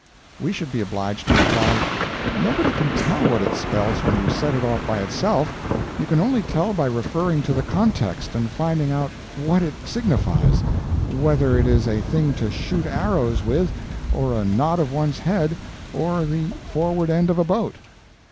we should be obliged to reply, "Nobody can tell what it spells when you set if off by itself; you can only tell by referring to the context and finding out what it signifies whether it is a thing to shoot arrows with, or a nod of one's head, or the forward end of a boat."